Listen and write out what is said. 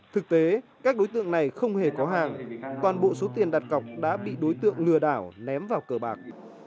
thực tế các đối tượng này không hề có hàng toàn bộ số tiền đặt cọc đã bị đối tượng lừa đảo ném vào cờ bạc